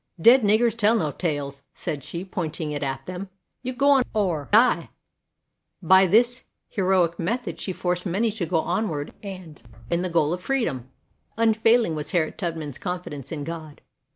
"Dead niggers tell no tales," said she, pointing it at them; "you go on or die!" By this he roic method she forced many to go onward and win the goal of freedom. 34 WOMEN OF ACHIEVEMENT Unfailing was Harriet Tubman's confi dence in God.